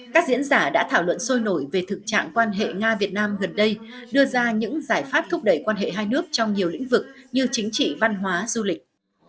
các diễn giả đã thảo luận sôi nổi về thực trạng quan hệ nga việt nam gần đây đưa ra những giải pháp thúc đẩy quan hệ hai nước trong nhiều lĩnh vực như chính trị văn hóa du lịch